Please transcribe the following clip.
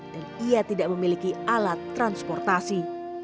dan ia tidak memiliki alat transportasi